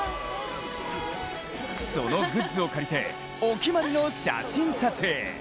そのグッズを借りてお決まりの写真撮影。